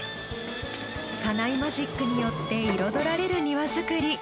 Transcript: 金井マジックによって彩られる庭造り。